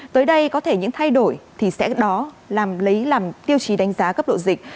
tới đây có thể những thay đổi thì sẽ đó làm lấy làm tiêu chí đánh giá cấp độ dịch